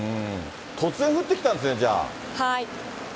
突然降ってきたんですね、はい。